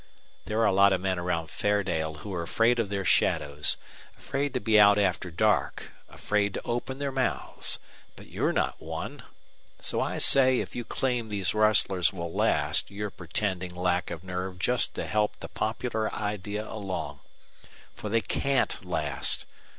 There are a lot of men around Fairdale who're afraid of their shadows afraid to be out after dark afraid to open their mouths. But you're not one. So I say if you claim these rustlers will last you're pretending lack of nerve just to help the popular idea along. For they CAN'T last.